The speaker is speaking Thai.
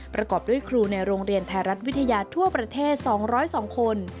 ประกอบด้วยครูในโรงเรียนไทยรัฐวิทยาทั่วประเทศ๒๐๒คน